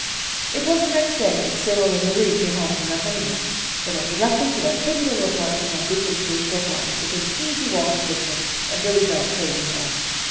It was the next day that Cyril and Marie came home from their honeymoon. They went directly to their pretty little apartment on Beacon Street, Brookline, within easy walking distance of Billy's own cozy home.